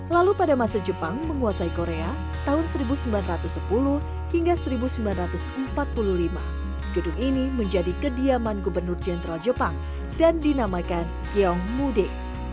lalu pada masa jepang menguasai korea tahun seribu sembilan ratus sepuluh hingga seribu sembilan ratus empat puluh lima gedung ini menjadi kediaman gubernur jenderal jepang dan dinamakan kiong mude